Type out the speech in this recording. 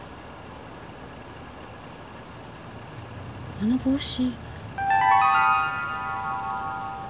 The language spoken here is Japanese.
あの帽子。